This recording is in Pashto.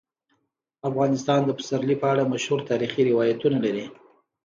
افغانستان د پسرلی په اړه مشهور تاریخی روایتونه لري.